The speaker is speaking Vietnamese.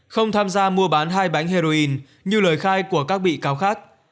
không tham gia mua bán hai bánh heroin như lời khai của các bị cáo khác